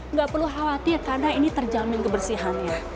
nggak perlu khawatir karena ini terjamin kebersihannya